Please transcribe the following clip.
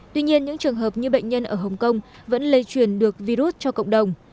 tuy nhiên những trường hợp như bệnh nhân ở hồng kông vẫn lây truyền được virus cho cộng đồng